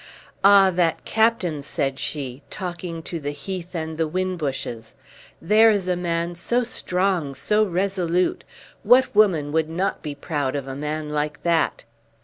"Ah, that captain!" said she, talking to the heath and the whin bushes. "There is a man so strong, so resolute! What woman would not be proud of a man like that?"